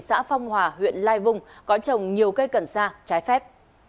xã phong hòa huyện lai vung có trồng nhiều cây cần sa trái phép